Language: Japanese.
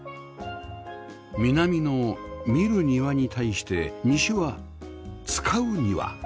南の「見る庭」に対して西は「使う庭」